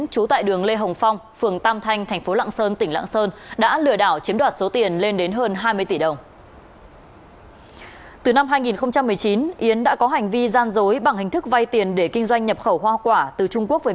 chú tại thành phố long xuyên đến công an phường mỹ quý